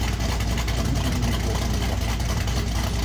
En nu zijn jullie plotseling wakker geworden.